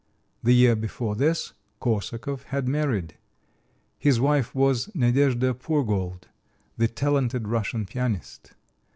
The year before this, Korsakov had married. His wife was Nadejda Pourgold, the talented Russian pianist.